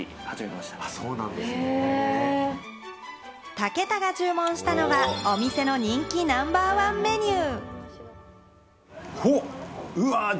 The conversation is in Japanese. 武田が注文したのはお店の人気ナンバーワンメニュー。